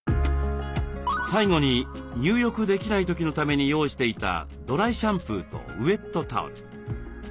最後に入浴できない時のために用意していたドライシャンプーとウエットタオル。